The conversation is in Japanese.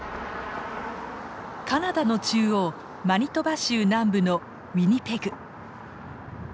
カナダの中央マニトバ州南部のウィニペグ。